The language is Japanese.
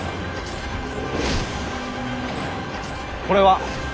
これは。